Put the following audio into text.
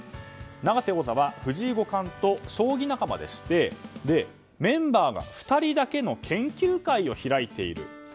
永瀬王座は藤井五冠と将棋仲間でしてメンバーが２人だけの研究会を開いている。